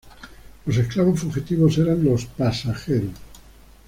Los esclavos fugitivos eran los "pasajeros".